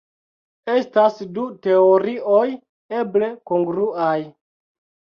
Estas du teorioj eble kongruaj.